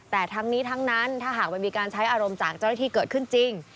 แต่ทั้งนี้ทั้งนั้นถ้าหากมันมีการใช้อารมณ์จากเจ้าหน้าที่เกิดขึ้นจริง